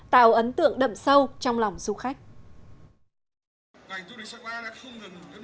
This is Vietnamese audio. tạo ấn tượng đậm sâu trong lòng du khách